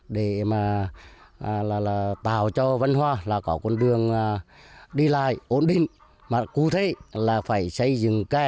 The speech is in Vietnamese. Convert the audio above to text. để mà có thể giữ lại đất